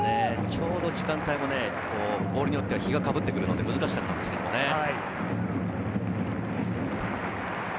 ちょうど時間帯もボールによっては日がかぶってくるので難しかったんですけどね。